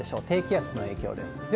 低気圧の影響です。